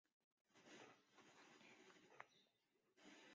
沙塘鳢碘泡虫为碘泡科碘泡虫属的动物。